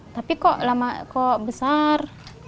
tapi kok besar